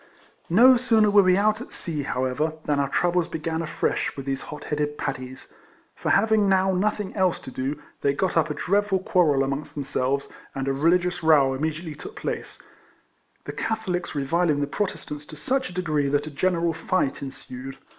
Xo sooner were we out at sea, however, than our troubles began afresh with these hot headed Paddies ; for, having now nothing else to do, they got up a dreadful quarrel amongst themselves, and a religious row immediately took place, the Catholics re viling the Protestants to such a degree that a general fight ensued.